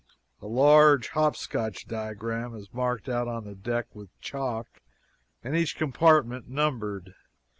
A large hop scotch diagram is marked out on the deck with chalk, and each compartment numbered.